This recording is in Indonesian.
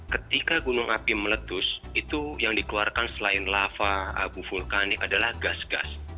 ketika gunung api meletus itu yang dikeluarkan selain lava abu vulkanik adalah gas gas